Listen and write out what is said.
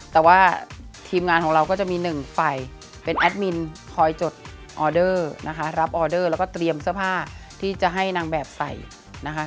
แต่ว่าทีมงานของเราก็จะมีหนึ่งฝ่ายเป็นแอดมินคอยจดออเดอร์นะคะรับออเดอร์แล้วก็เตรียมเสื้อผ้าที่จะให้นางแบบใส่นะคะ